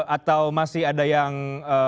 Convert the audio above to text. atau masih ada yang